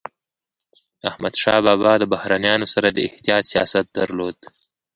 احمدشاه بابا د بهرنيانو سره د احتیاط سیاست درلود.